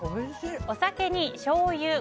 お酒にしょうゆ